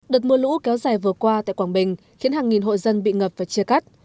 đợt mưa lũ kéo dài vừa qua tại quảng bình khiến hàng nghìn hội dân bị ngập và chia cắt